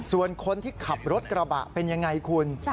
ส่วนคนที่ขับรถกระบะเป็นยังไงคุณ